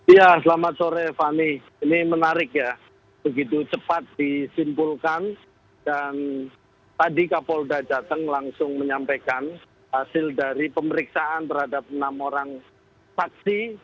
ya selamat sore fani ini menarik ya begitu cepat disimpulkan dan tadi kapolda jateng langsung menyampaikan hasil dari pemeriksaan terhadap enam orang saksi